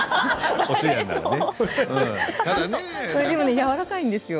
これでもねやわらかいんですよ。